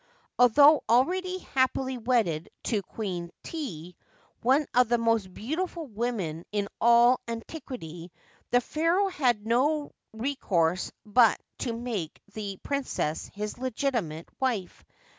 • Although already. happily wedded to Queen Tit, one of the most beautiful women of all an tiquity, the pharaoh had no recourse but to make the pnncess his legitimate wife.